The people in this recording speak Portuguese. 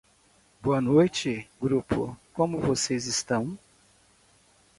Boa noite grupo, como vocês estão?